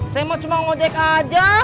saya mau cuma ngojek aja